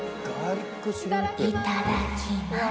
いただきます！